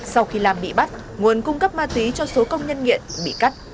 sau khi lam bị bắt nguồn cung cấp ma túy cho số công nhân nghiện bị cắt